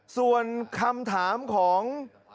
ส่วนคำถามของ